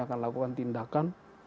akan lakukan tindakan